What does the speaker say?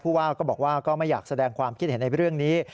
ว่าก็บอกว่าก็ไม่อยากแสดงความคิดเห็นในเรื่องนี้